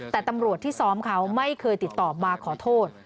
แต่ตำรวจที่ซ้อมเขาไม่เคยติดต่อมาขอโทษ